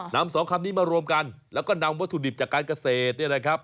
สองคำนี้มารวมกันแล้วก็นำวัตถุดิบจากการเกษตรเนี่ยนะครับ